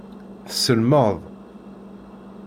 Tesselmad.